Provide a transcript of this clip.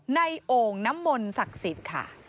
โอ่งน้ำมนต์ศักดิ์สิทธิ์ค่ะ